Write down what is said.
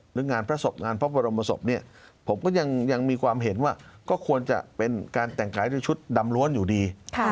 งานพระศพงานพระบรมศพเนี่ยผมก็ยังมีความเห็นว่าก็ควรจะเป็นการแต่งกายด้วยชุดดำล้วนอยู่ดี